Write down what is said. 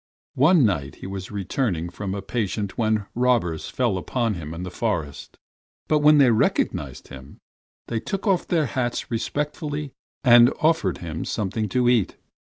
"One night he was returning from a patient when robbers fell upon him in the forest, but when they recognized him, they took off their hats respectfully and offered him something to eat.